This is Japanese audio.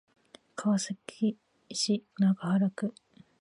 川崎市中原区